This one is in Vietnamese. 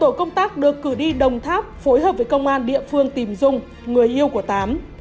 tổ công tác được cử đi đồng tháp phối hợp với công an địa phương tìm dung người yêu của tám